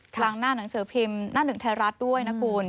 ทางหน้าหนังสือพิมพ์หน้าหนึ่งไทยรัฐด้วยนะคุณ